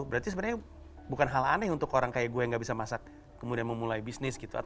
berarti sebenarnya bukan hal aneh untuk orang kayak gue yang gak bisa masak kemudian memulai bisnis gitu